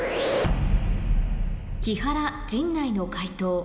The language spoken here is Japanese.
木原陣内の解答